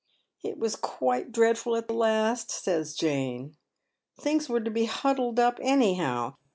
" It was quite dreadful at the last," says Jane. " Things were to be huddled uj? anyhow.